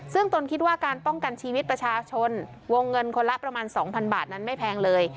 ซึ่งตนคิดว่าการป้องกันชีวิตประชาชนวงเงินคนละประมาณ๒๐๐บาทนั้นไม่แพงเลย